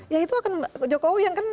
ya itu akan jokowi yang kena